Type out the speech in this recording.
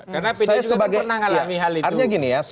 karena pda juga pernah mengalami hal itu